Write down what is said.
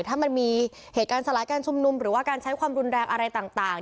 ถ้ามันมีเหตุการณ์สลายการชุมนุมหรือว่าการใช้ความรุนแรงอะไรต่าง